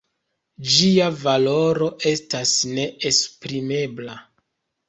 Ĝia valoro estas neesprimebla.